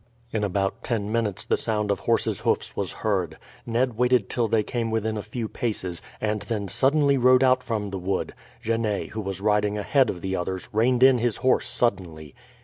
In about ten minutes the sound of horses' hoofs was heard. Ned waited till they came within a few paces, and then suddenly rode out from the wood. Genet, who was riding ahead of the others, reined in his horse suddenly.